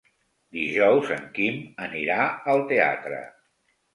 Dijous en Quim anirà al teatre.